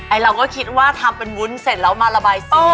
เราก็คิดว่าทำเป็นวุ้นเสร็จแล้วมาระบายสี